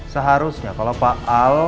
seharusnya kalau pak al